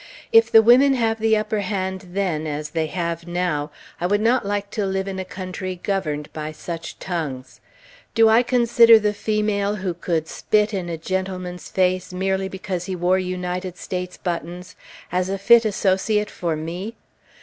If the women have the upper hand then, as they have now, I would not like to live in a country governed by such tongues. Do I consider the female who could spit in a gentleman's face, merely because he wore United States buttons, as a fit associate for me?